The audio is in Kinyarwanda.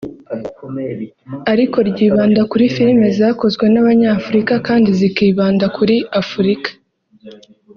ariko ryibanda kuri filime zakozwe n’Abanyafurika kandi zikibanda kuri Afurika